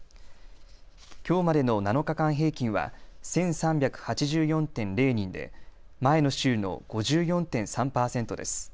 きょうまでの７日間平均は１３８４．０人で前の週の５４．３％です。